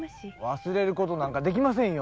忘れることなどできません。